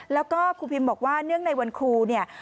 แล้วก็ครูพิมบอกว่าเนื่องในวันครูเนี่ย